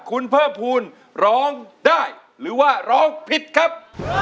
คุณเพิ่มภูมิร้องได้หรือว่าร้องผิดครับ